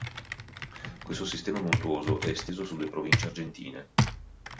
Questo sistema montuoso è esteso su due province argentine.